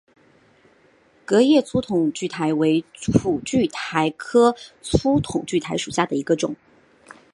革叶粗筒苣苔为苦苣苔科粗筒苣苔属下的一个种。